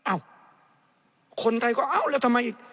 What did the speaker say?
อ้าวคนไทยก็อ้าวแล้วทำไมอีก